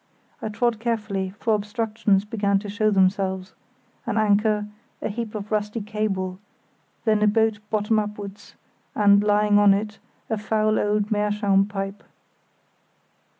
I trod carefully, for obstructions began to show themselves—an anchor, a heap of rusty cable; then a boat bottom upwards, and, lying on it, a foul old meerschaum pipe.